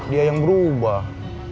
dia yang berubah